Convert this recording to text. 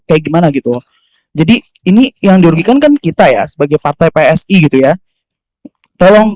kayak gimana gitu jadi ini yang dirugikan kan kita ya sebagai partai psi gitu ya tolong